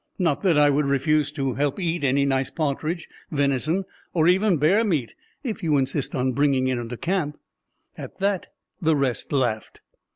Not that I would refuse to help eat any nice partridge, venison, or even bear meat, if you insist on bringing it into camp." At that the rest laughed.